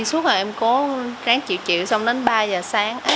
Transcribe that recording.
trước rồi em cố ráng chịu chịu xong đến ba giờ sáng